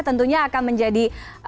tentunya akan menjadi